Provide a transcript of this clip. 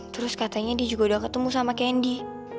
terus katanya dia juga udah ketemu sama kendi